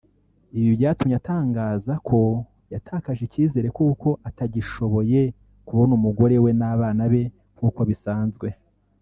Ibi byatumye atangaza ko yatakaje icyizere kuko atagishoboye kubona umugore we n’abana be nkuko bisanzwe